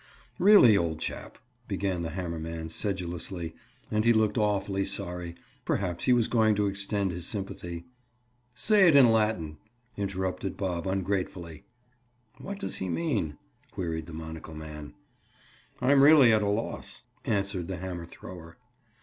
"Really, old chap"—began the hammer man sedulously, and he looked awfully sorry. Perhaps he was going to extend his sympathy. "Say it in Latin!" interrupted Bob ungratefully. "What does he mean?" queried the monocle man. "I'm really at a loss," answered the hammer thrower.